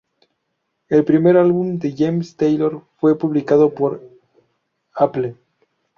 El primer álbum de James Taylor fue publicado por Apple.